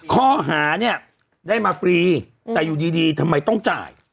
ข้อหาเนี่ยได้มาฟรีแต่อยู่ดีทำไมต้องจ่าย